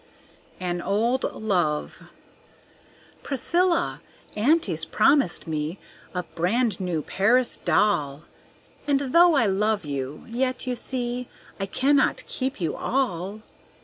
An Old Love Priscilla, Auntie's promised me A brand new Paris doll; And though I love you, yet you see I cannot keep you all.